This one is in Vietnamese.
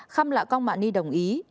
khăm lạ công mạ ni đồng ý